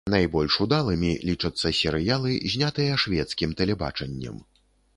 Найбольш удалымі лічацца серыялы, знятыя шведскім тэлебачаннем.